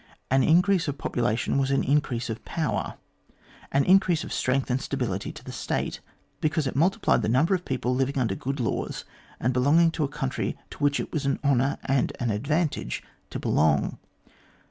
An increase of population was an increase of power, an increase of strength and stability to the State, because it multiplied the number of people living under good laws, and belonging to a country to which it was an honour and an advantage to belong.